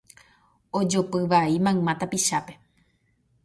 Ojopy vai mayma tapichápe